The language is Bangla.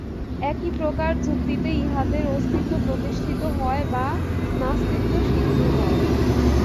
একইপ্রকার যুক্তিতে ইহাদের অস্তিত্ব প্রতিষ্ঠিত হয় বা নাস্তিত্ব সিদ্ধ হয়।